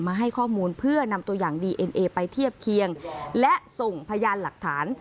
ให้ข้อมูลเพื่อนำตัวอย่างดีเอ็นเอไปเทียบเคียงและส่งพยานหลักฐาน